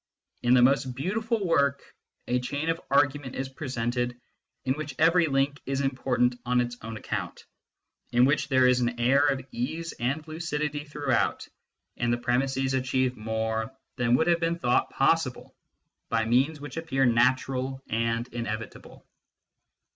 In the most beautiful work, a chain of argument is pre sented in which every link is important on its own account, in which there is an air of ease and lucidity throughout, and the premises achieve more than would have been thought possible, by means which appeal natural and inevitable.